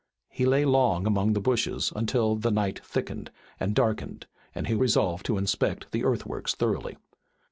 He lay long among the bushes until the night thickened and darkened and he resolved to inspect the earthworks thoroughly.